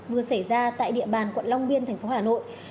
vừa xảy ra tại địa bàn quận long biên tp hà nội